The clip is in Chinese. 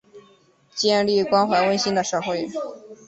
建立关怀温馨的社会